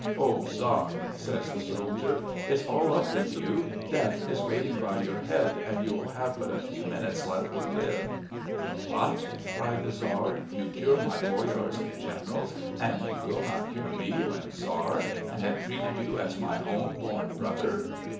"O Tzar," says the soldier, "it's all up with you. Death is waiting by your head, and you have but a few minutes left to live." "What?" cries the Tzar, "you cure my boyars and generals and you will not cure me who am Tzar, and have treated you as my own born brother.